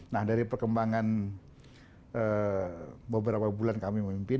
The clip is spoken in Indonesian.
nah dari perkembangan beberapa bulan kami memimpin